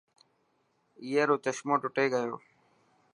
ائي رو چشمو ٽٽي گيو.